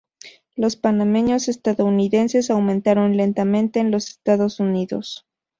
Los panameños estadounidenses aumentaron lentamente en los Estados Unidos.